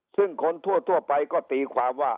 ซึ่งคนทั่วไปก็ตีความว่า